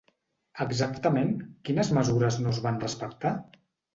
Exactament quines mesures no es van respectar?